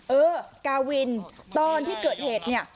เออกาวินตอนที่เกิดเหตุเนี่ย